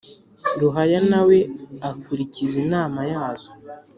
ruhaya, na we akurikiza inama yazo